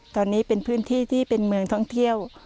ตอนนี้เป็นพื้นที่ที่เป็นเมืองท่องเที่ยว